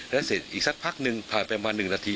แล้วเสร็จอีกสักพักหนึ่งผ่านไปประมาณ๑นาที